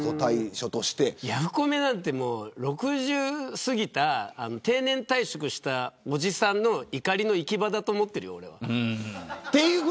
ヤフコメなんて６０を過ぎた定年退職をしたおじさんの怒りの行き場だと思っているよ。